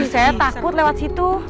saya takut lewat situ